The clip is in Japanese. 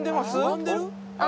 拝んでる？